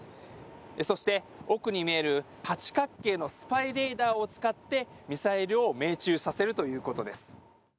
そして、奥に見える八角形のスパイレーダーを使ってミサイルを命中させるということです。